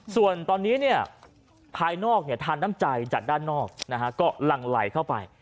ส่วนตอนนี้ภายนอกทานน้ำใจจากด้านนอกก็ลังไหลเข้าไป